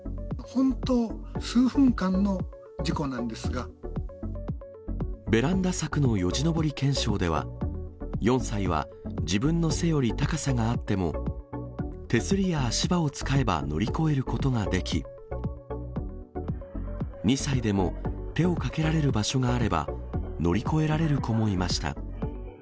本当、ベランダ柵のよじ登り検証では、４歳は自分の背より高さがあっても、手すりや足場を使えば乗り越えることができ、２歳でも手をかけられる場所があれば、乗り越えられる子もいました。